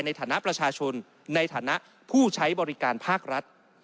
ในฐานะผู้ใช้บริการภาครัฐ